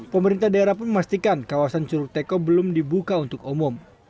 pemerintah daerah pun memastikan kawasan curug teko belum dibuka untuk umum